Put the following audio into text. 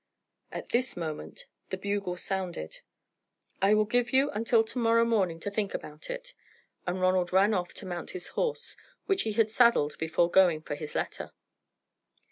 At this moment the bugle sounded. "I will give you until to morrow morning to think about it," and Ronald ran off to mount his horse, which he had saddled before going for his letter.